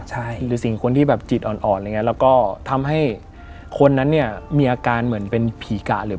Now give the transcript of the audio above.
หรือสิ่งคนที่จิตอ่อนแล้วก็ทำให้คนนั้นมีอาการเหมือนเป็นผีกะ